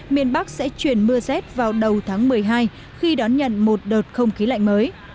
miền bắc sẽ chuyển mưa rét vào đầu tháng một mươi hai khi đón nhận một đợt không khí lạnh mới